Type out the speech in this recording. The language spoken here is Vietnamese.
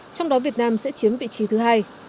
trong đó việt nam sẽ chiếm vị trí thứ hai